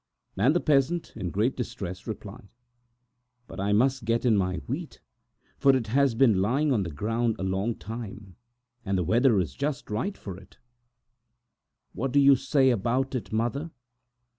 And the peasant, in great distress, replied: "But I must get in my wheat, for it has been lying on the ground a long time, and the weather is just right for it; what do you say about it, mother?"